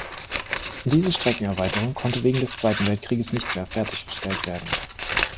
Diese Streckenerweiterung konnte wegen des Zweiten Weltkrieges nicht mehr fertiggestellt werden.